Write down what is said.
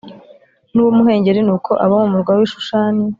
n uw umuhengeri nuko abo mu murwa w i Shushani